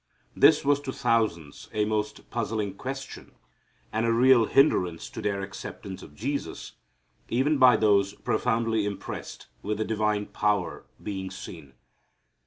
This was to thousands a most puzzling question, and a real hinderance to their acceptance of Jesus, even by those profoundly impressed with the divine power being seen.